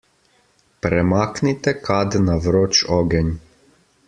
Premaknite kad na vroč ogenj.